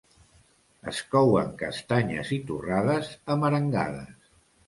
Es couen castanyes i torrades amb arengades.